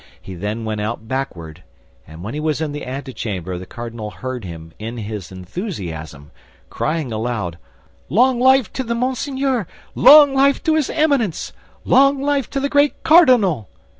He then went out backward, and when he was in the antechamber the cardinal heard him, in his enthusiasm, crying aloud, "Long life to the Monseigneur! Long life to his Eminence! Long life to the great cardinal!"